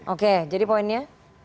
oke jadi poinnya